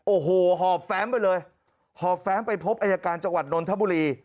โอ้โหหอบแฟ้มไปเลยหอบแฟ้มไปพบอายการจังหวัดนนทบุรี